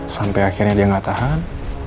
sampai akhirnya dia nggak tahan